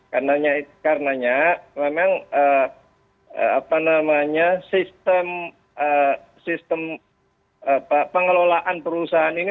karena memang sistem pengelolaan perusahaan ini